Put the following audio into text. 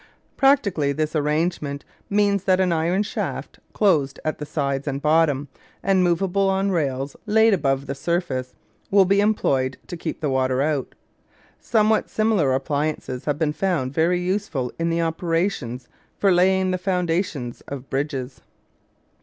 Practically this arrangement means that an iron shaft, closed at the sides and bottom, and movable on rails laid above the surface, will be employed to keep the water out. Somewhat similar appliances have been found very useful in the operations for laying the foundations of bridges.